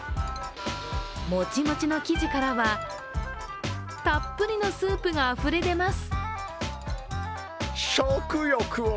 もちもちの生地からはたっぷりのスープがあふれ出ます。